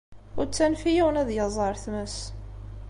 Ur ttanef i yiwen ad yaẓ ar tmes.